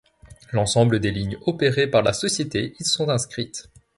L'ensemble des lignes opérés par la Société y sont inscrites.